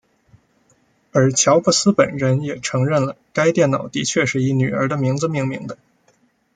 而乔布斯本人也承认了该电脑的确是以女儿的名字命名的。